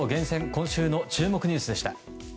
今週の注目ニュースでした。